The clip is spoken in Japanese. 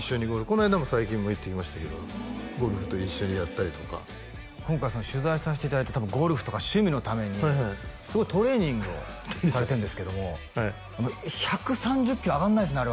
この間も最近も行ってきましたけどゴルフ一緒にやったりとか今回取材さしていただいてゴルフとか趣味のためにすごいトレーニングをされてるんですけども１３０キロ上がんないですね